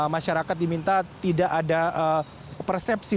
masyarakat diminta tidak ada persepsi